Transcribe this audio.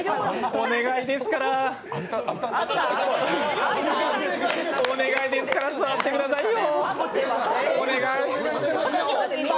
お願いですからお願いですから座ってくださいよ。